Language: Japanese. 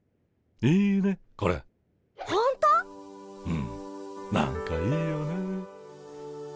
うん何かいいよね。